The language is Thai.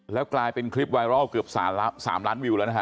แล้วกลายเป็นคลิปไวรัลเกือบ๓ล้านวิวแล้วนะฮะ